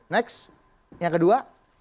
next yang kedua